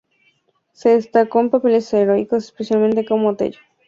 Se destacó en papeles heroicos especialmente como Otello.